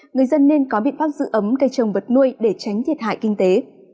người dân nên có biện pháp giữ ấm cây trồng vật nuôi để tránh thiệt hại kinh tế